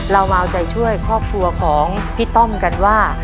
เรามาเอาใจช่วยครอบครัวของพี่ต้อมกันว่า